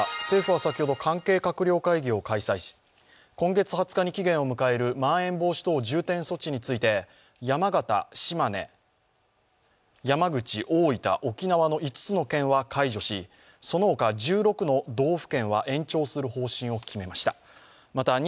政府は先ほど関係閣僚会議を開催し、今月２０日に期限を迎えるまん延防止等重点措置について山形、島根、山口、大分、沖縄の５つの県は解除し、そのほか１６の道府県は延長する方針を決めました。